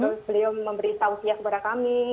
terus beliau memberi tausiah kepada kami